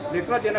rakyat pulau naut